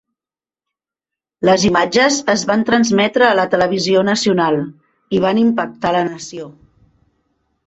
Les imatges es va transmetre a la televisió nacional, i van impactar la nació.